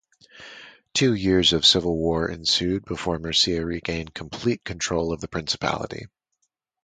Two years of civil war ensued before Mircea regained complete control of the principality.